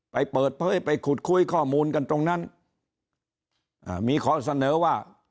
ไปเปิดเผยไปขุดคุยข้อมูลกันตรงนั้นอ่ามีข้อเสนอว่า